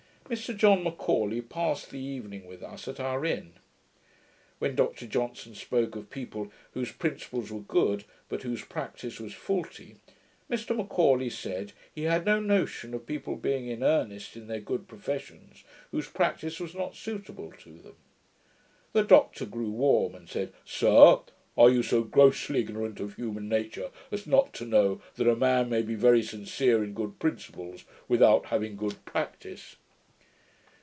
Mr John M'Aulay passed the evening with us at our inn. When Dr Johnson spoke of people whose principles were good, but whose practice was faulty, Mr M'Aulay said, he had no notion of people being in earnest in their good professions, whose practice was not suitable to them. The Doctor grew warm, and said, 'Sir, you are so grossly ignorant of human nature, as not to know that a man may be very sincere in good principles, without having good practice?'